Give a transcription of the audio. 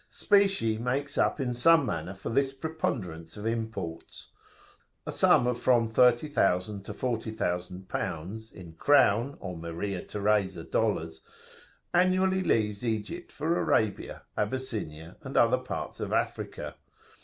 Specie makes up in some manner for this preponderance of imports: a sum of from L30,000 to L40,000, in crown, or Maria Theresa, dollars annually leaves Egypt for Arabia, Abyssinia, and other parts of Africa.